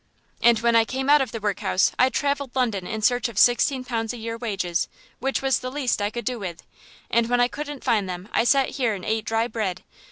"And when I came out of the workhouse I travelled London in search of sixteen pounds a year wages, which was the least I could do with, and when I didn't find them I sat here and ate dry bread.